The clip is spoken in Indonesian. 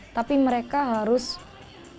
tapi mereka harus menilai